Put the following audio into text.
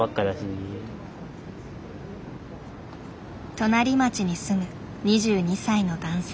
隣町に住む２２歳の男性。